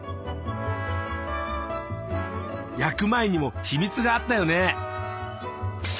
焼く前にも秘密があったよね